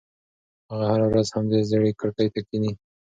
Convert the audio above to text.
هغه هره ورځ همدې زړې کړکۍ ته کښېني.